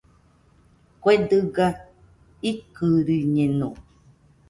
Kue dɨga ikɨriñeno.